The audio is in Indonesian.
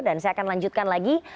dan saya akan lanjutkan lagi